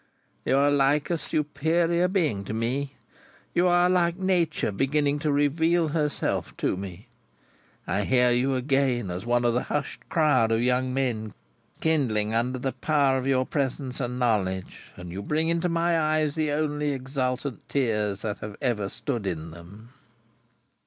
"You are like a Superior Being to me. You are like Nature beginning to reveal herself to me. I hear you again, as one of the hushed crowd of young men kindling under the power of your presence and knowledge, and you bring into my eyes the only exultant tears that ever stood in them."